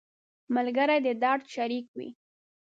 ملګری د درد شریک وي